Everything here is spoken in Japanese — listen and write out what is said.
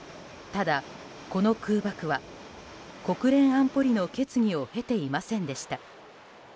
ただ、この空爆は国連安保理の決議を経ていませんでした。